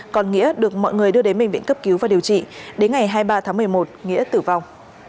còn nghĩa được mọi người đưa đến bệnh viện cấp cứu và điều trị đến ngày hai mươi ba tháng một mươi một nghĩa tử vong